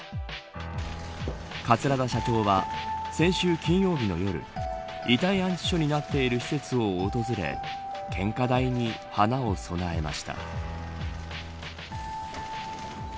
桂田社長は、先週金曜日の夜遺体安置所になっている施設を訪れ献花台に花を供えました。